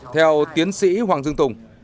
theo tiến sĩ hoàng dương tùng